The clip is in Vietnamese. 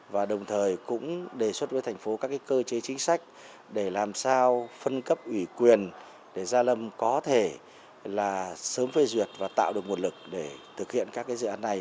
và đồng thời cũng đề xuất với thành phố các cơ chế chính sách để làm sao phân cấp ủy quyền để gia lâm có thể là sớm phê duyệt và tạo được nguồn lực để thực hiện các dự án này